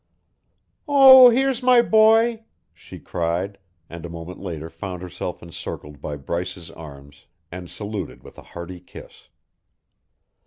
"Oh, here's my boy!" she cried, and a moment later found herself encircled by Bryce's arms and saluted with a hearty kiss.